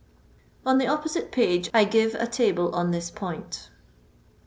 On the opposite page I givo a table on this point.